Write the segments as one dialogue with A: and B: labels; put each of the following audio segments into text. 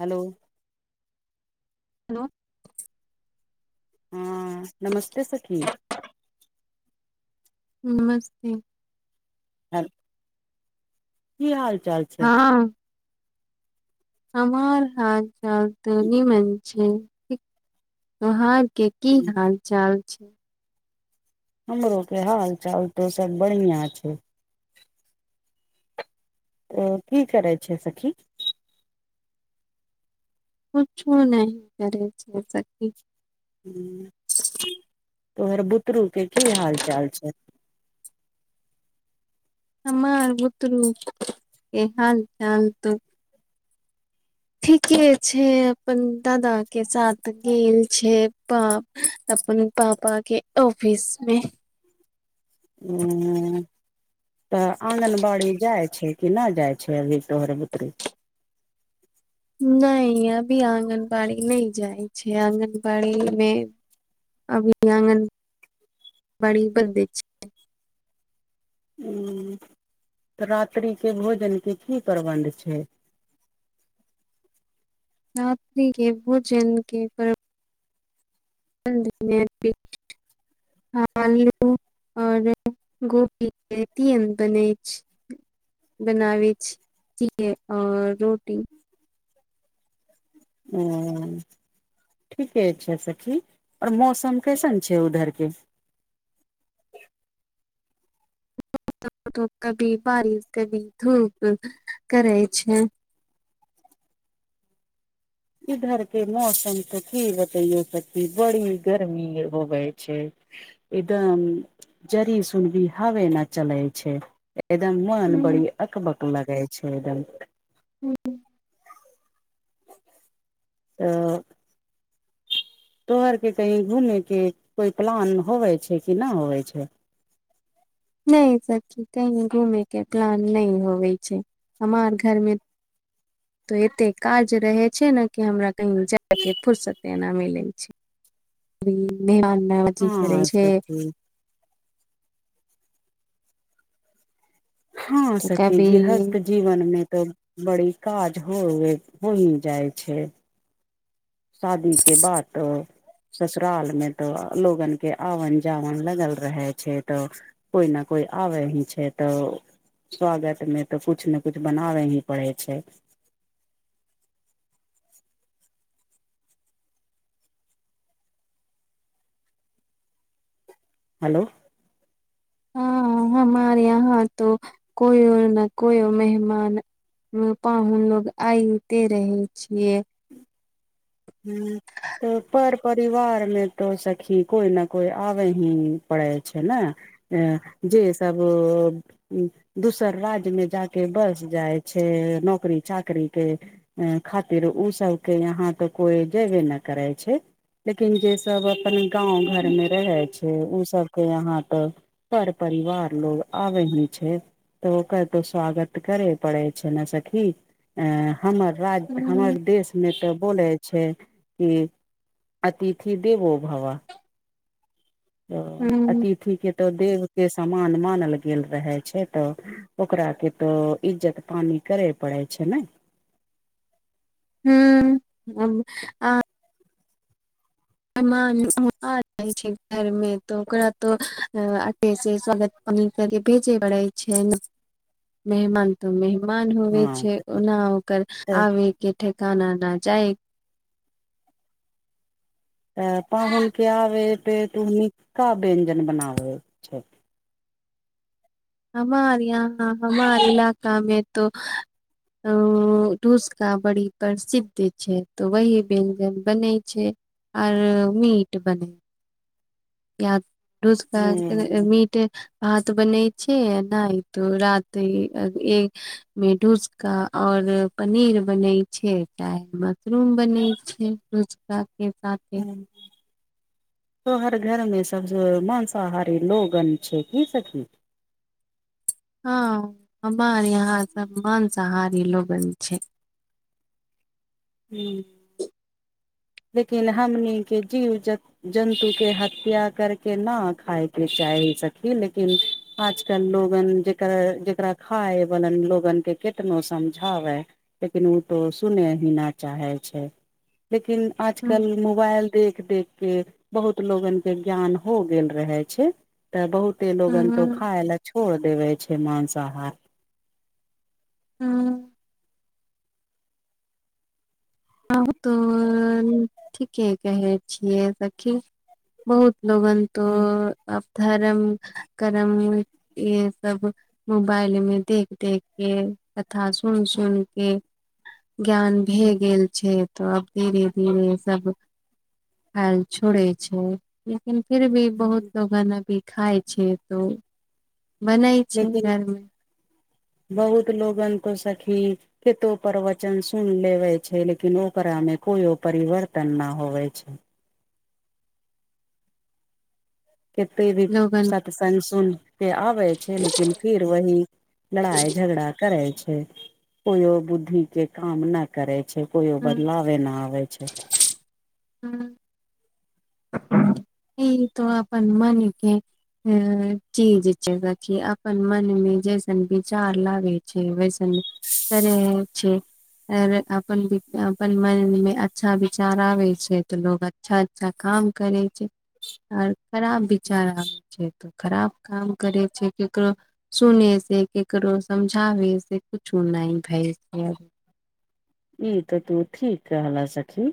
A: hello
B: hello
A: हँ नमस्ते सखी
B: नमस्ते
A: आ [unintelligible] की हाल चाल छै
B: हँ हमार हाल जाल तनी मणि छैे ठीक त्योहार कि की हाल चाल
A: हमरो के हाल चाल तो सब बढ़िया छै की करै छै सखी
B: कुछो नहि करै छै सखि
A: ह तोहर बुतरू के की हाल चाल छै
B: हमर बुतरू हाल चाल त ठीके छै अपन दादा के साथ गेल छै पा अपन पापा के ऑफिस
A: ह [inaudible] तऽ आँगनबाड़ी जाय छै कि नहि जाइ छै अभी तोहर बुतरू
B: नहि अभी आंगनबाड़ी नहि जाइ छै आगनबाड़ी मे अभी आङगन बाड़ी बन छै
A: रात्रि के भोजन के की प्रबंध छै
B: राति के भोजन के प्रबंध आलू और [unintelligible] गोपी [unintelligible] तीन बनै छै बनाबै भुजीया और रोटी
A: हु ठीके छै सखी और मौसम कैसन छै उधर के
B: कभी बारिश कभी धूप करै छै
A: इधर के मौसम के की बतैयो सखी बड़ी गर्मी होबे छै ई ते जरी सुन भी हावे न चले छै एकदम मन
B: हम्म,
A: बड़ी अकबक लगे छै एकदम तऽ तोहर केँ कही घूमे केँ कोई प्लान होवे छै कि नऽ होवे छै
B: नहि सखी कही घूमे के प्लान नहि होवे छै हमार घर मे तो एते काज रहे छै नऽ कि हमरा कही जाय के फुर्सते ना मिलै छै [unintelligible] करै
A: हँ
B: छै
A: सखी हँ
B: तऽ
A: सखी
B: कभी
A: गृहस्त जीवन मे तो बड़ी काज होवे हो ही जाइ छै शादी के बातऽ ससुराल मे तो लोगन के आवन जावन लगल रहे छै तो कोइ न कोइ आबे ही छै तऽ स्वागत मे तऽ कुछ नऽ कुछ बनाबे ही पड़े छै हेलो
B: हँ हमारे यहाँ तो कोइयो न कोइयो मेहमान अ, पाहुन लोग आयते रहै छिये
A: हूँ तो पर परिवार मे तो सखी कोइ नऽ कोइ आबे ही पड़े छै नऽ अ जे सब दोसर राज्यमे जाकेँ बस जाइ छै नौकरी चाकरी केँ खातिर उ सबके यहाँ तऽ कोई जेबे नहि करै छै लेकिन जे सब अपन गाँंव घर मे रहे छै ऊ सबके यहाँ तऽ पर परिवार लोक आबेही छै तऽ ओकर तऽ स्वागत करे पड़े छै नऽ सखी ए हमर राज्य
B: हुँ
A: हमर देश मे तऽ बोले छै कि अतिथि देवो भवः तऽ अतिथि के तऽ देव के समान मानल गेल रहे छै तऽ ओकरा केँ तोऽ इज्जत पानी करे पड़े छै नऽ
B: हूँ अब आ मेहमान रहै छै घरमे तो ओकरा तो आगे सँ स्वागत कनी कनी भेजे पड़ै छै नऽ मेहमान तऽ मेहमान होवे
A: हँ
B: छै ओना ओकर
A: तऽ
B: आबे केँ ठेकाना नऽ जाय
A: तऽ पाहुन केँ आबे पे तो उ नीकका व्यंजन बनाबे छै
B: हमार यहाँ हमार इलाकामे तो ओ टूस्क का बड़ी प्रसिद्ध छै तो वही व्यंजन बनै छै और मीट बने या [unintelligible]
A: हूँ
B: मिट भात बनै छै आ नहि तो रात [unintelligible] मेडूसका और पनीर बनै छै चाहे मशरूम बनै छै [unintelligible] केँ
A: हँ तोहर घरमे सब जो मांसाहारी लोगन छै की सखी
B: हँ हमर यहाँ सब मांसाहारी लोगन छै
A: हूँ लेकिन हमनीे केँ जीव जंतु जन्तु केँ हत्या करके ना खायके चााही सखी लेकिन आजकल लोगन जेकर जेकरा खाय बाल लोगन के कितनो समझाबै लेकिन उ तो सुने ही न चाहे छै लेकिन
B: हूँ
A: आजकल मोबाइल देख देख के बहुत लोगन के ज्ञान हो गेल रहे छै तऽ बहुते लोगन तो
B: हूँ
A: खाय ले छोड़ देवे छै मांसाहार
B: हूँ उ तो ठीके कहय छियै सखी बहुत लोगन तो अब धर्म कर्म ये सब मोबाइल में देख देख के कथा सुन सुन के ज्ञान भए गेल छै तऽ अब धीरे धीरे सब हल छोड़े छै लेकिन फिर भी बहुत लोगन अभी खाय छै तो बनै छै
A: लेकिन
B: घर में
A: बहुत लोगन तो सखी केतो प्रवचन सुन लेवे छै लेकिन ओकरा में कोइयो परिवर्तन न होवे छै केते भी
B: लोगन
A: सत्संग सुनके अबय छै लेकिन फिर वही लड़ाई झगड़ा करै छै कोयो बुद्धि के काम न करै छै कोइयो बदलावे ना आवे छै
B: हूँ ई तो अपन मनके चीज छय सखी अपन मन में जैसन विचार लागै छै वैसन करे छै आर अपन अपन मन में अच्छा विचार आबे छै तऽ लोग अच्छा अच्छा काम करै छै आर खराब विचार आबै छै त खराब काम करै छै ककरो सुने से क केकरो समझाबे से कुछुना भय
A: ई त तू ठीक कहल सखी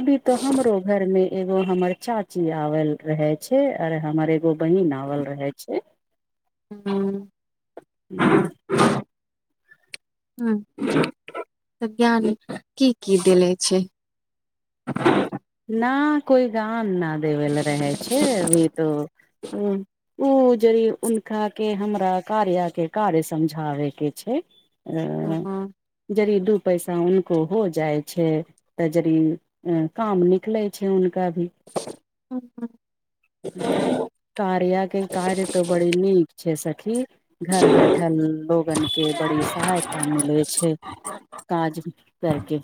A: अभी त हमरो घर में एगो हमर चाची आवल रहे छै और हमर एगो बहिन आवल रहे छै
B: हं
A: हूँ
B: हं तऽ ज्ञान की की देले छै
A: ना कोई गान ना देबे ल रहै छै अभी तो अं उ जे ह उनका के हमरा कार्याके कार्य समझाबे के छै आ
B: ह
A: यदि दू पैसा उनको हो जाइ छै तऽ यदि काम निकले छै हुनका भी
B: हँ
A: हं कार्या के कार्य तऽ बड़ी नीक छै सखी घर बैठल लोगन के बड़ी सहायता मिलै छै काज करके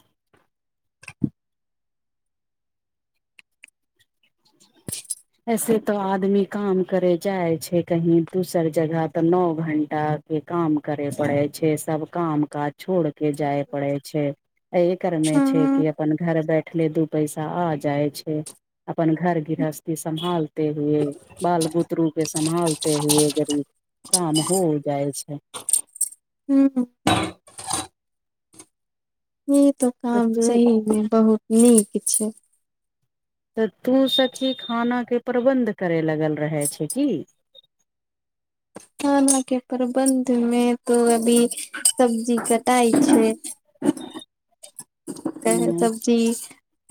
A: [unintelligible] ऐसे तो आदमी काम करे जाय छै कहीं दुसर जगह तऽ नओ घंटा के काम करे पड़े छै सब काम काज छोड़ के जाय पड़े छै एहि करमें छै कि अपन घर बैठले दू पैसा आ जाइ छै अपन घर गृहस्थी सम्भाल ते हुए बाल बुतरू के सम्भालते हुए जदी काम हो जाइ छै
B: हूँ ई त
A: तऽ
B: काम
A: तू
B: सही मे बहुत नीक छै
A: तऽ तू सखी खानाके प्रबन्ध करय लगल रहै छै की
B: खाना के प्रबन्ध मे तो अभी सब्जी के तइ छै त
A: हूँ
B: सब [unintelligible] चि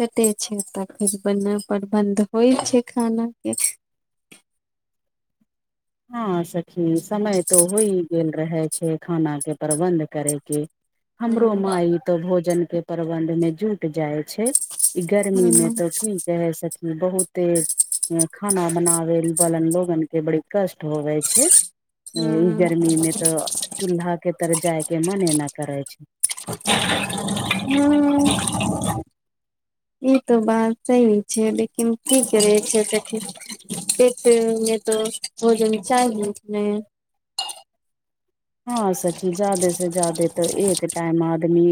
B: कटे छै त फेर ब परबंध होइ छै खाना के
A: हँ सखी समय तऽ होइ गेल रहै छै खाना के प्रबन्ध करै के हमरो
B: हूँ
A: माई तो भोजन के प्रबंध मे जुट जाइ छै ई गर्मि मीमे
B: हूँ
A: तो की कहे सकी बहुते खाना बनाबे बलन लोगन के बड़ी कष्ट होबे छै ई गर्मी मे तऽ चूल्हा के तर जाय के मने न करै छै
B: ह्म ई तो बात सही छै लेकिन की करे छै देख [unintelligible] से नहि तऽ भोजन चाहि [unintelligible] नहि
A: हा सखी जादे से जादे तऽ एक टाइम आदमी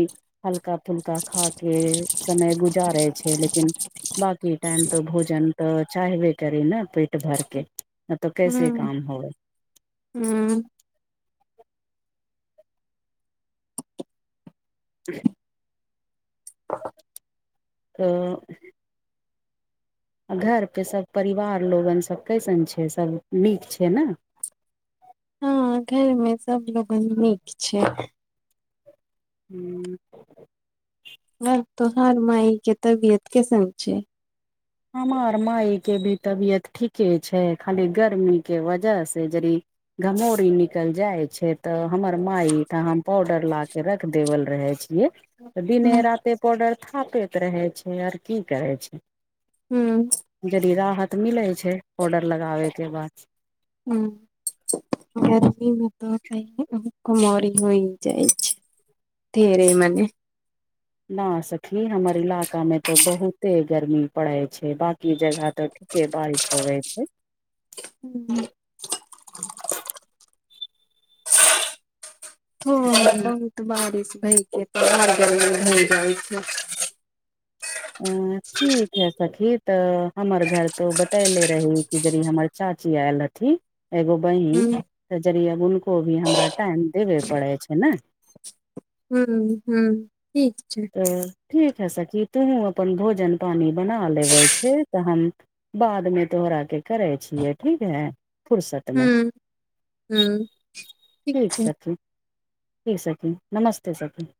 A: हल्का फुल्का खा के समय गुजारे छै लेकिन बाकी टाइम तऽ भोजन तऽ चाहबे करी ने पेट भरके नई तऽ कैसे
B: हूँ
A: काम होए
B: हूँ
A: [inaudible] [inaudible]
B: ह [unintelligible] [unintelligible]
A: तऽ आ घर पे सब परिवार लोगन सब कैसन छै सब नीक छै न
B: हँ घर मे सबलोगन नीक छै
A: हू [inaudible] [inaudible]
B: हँ तोहर माइ के तबियत कैसन छै
A: हमर माय के भी तबियत ठीके छै खाली गर्मी के वजह से जरी घमौरी निकल जाइ छै तऽ हमर माई तऽ हम पाउडर ला के रख देवल रहे छियए दिने
B: हुं
A: राते पाउडर थापैत रहे छै आओर की करे छै
B: हूँ
A: जदि राहत मिलै छै पॉवडर लगाबै के बाद
B: हुँ गर्मीमे तऽ आओर घमोरी हो जाइ छै [unintelligible]
A: ह
B: ढेरे
A: [unintelligible]
B: मने
A: [inaudible] ना सखी हमर इलाका मे तऽ बहुते गर्मी पड़े छै बाकी जगह तऽ बइसो वे छै [inaudible] [unintelligible]
B: हू [inaudible] [inaudible] हँ
A: ह
B: बहुत बारिश भय के त आर गर्मि भई जाइ छै
A: अ ठीक है सखी तऽ हमर घर तो बतैले रही कि यदि हमर चाची आय अथि एगो
B: हुं
A: बहिन त जरि उनको भी हमरा टाइम देबे पड़े छै ने
B: हूँ हूँ ठीक छै
A: त ठीक है सखी तुहूँ अपन भोजन पानी बना लेबे छै तऽ हम बाद मे तोहरा के करे छियै ठीक है फुरसत में
B: हुं हुं
A: ठीक सखी ठीक सखी नमस्ते सखी